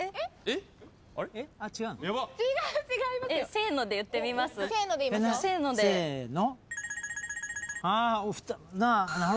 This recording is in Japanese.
せーので言ってみます？せーの。